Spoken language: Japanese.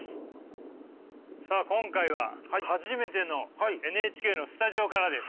さあ今回は初めてのＮＨＫのスタジオからです。